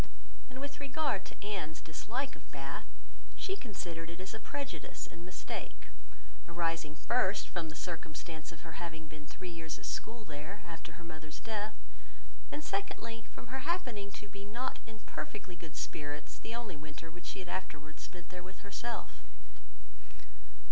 And with regard to Anne's dislike of Bath, she considered it as a prejudice and mistake arising, first, from the circumstance of her having been three years at school there, after her mother's death; and secondly, from her happening to be not in perfectly good spirits the only winter which she had afterwards spent there with herself.